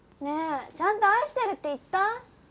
ねえちゃんと「愛してる」って言った？